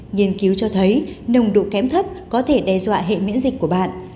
nghiên cứu cho thấy nồng độ kém thấp có thể đe dọa hệ miễn dịch của bạn